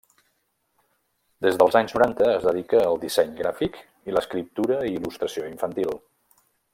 Des dels anys noranta es dedica al disseny gràfic i l'escriptura i il·lustració infantil.